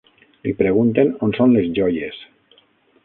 Li pregunten on són les joies.